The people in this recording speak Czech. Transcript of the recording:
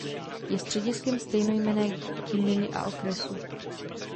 Je střediskem stejnojmenné gminy a okresu.